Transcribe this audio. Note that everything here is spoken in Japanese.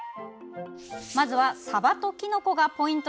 まず、さばときのこがポイント